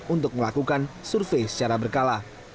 untuk melakukan survei secara berkala